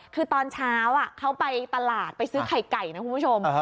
คือตอนเช้าเขาไปตลาดไปซื้อไข่ไก่นะคุณผู้ชม